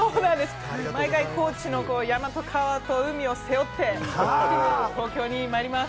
高知の山と川と海を背負って東京にまいります。